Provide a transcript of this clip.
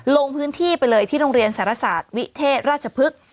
ลงพื้นที่ไปเลยที่โรงเรียนสารศาสตร์วิเทศราชพฤกษ์